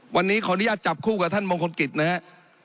วันนี้ขออนุญาตจับคู่กับท่านมงคลกิจนะครับ